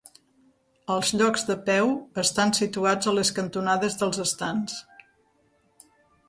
Els llocs de peu estan situats a les cantonades dels estands.